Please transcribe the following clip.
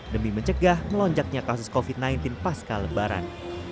demi mencegah melonjaknya kasus covid sembilan belas pasca lebaran